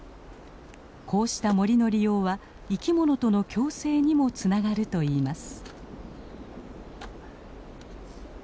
こうした森の利用は生きものとの共生にもつながるといいます。